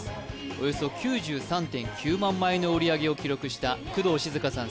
およそ９３．９万枚の売り上げを記録した工藤静香さん